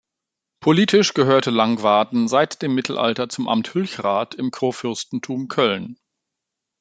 Politisch gehörte Langwaden seit dem Mittelalter zum Amt Hülchrath im Kurfürstentum Köln.